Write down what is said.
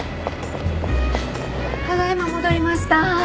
ただ今戻りました。